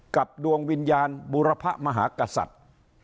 ดวงวิญญาณบุรพะมหากษัตริย์